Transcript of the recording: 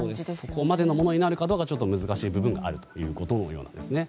そこまでのものになるかどうか難しい部分はあるということのようなんですね。